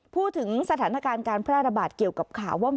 พูดถึงสถานการณ์การแพร่ระบาดเกี่ยวกับข่าวว่า